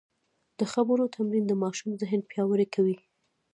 د خبرو تمرین د ماشوم ذهن پیاوړی کوي.